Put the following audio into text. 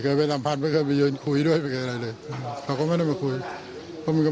คือเหมาะถึงไปไปไหนแล้วถามว่าจะคุยไหม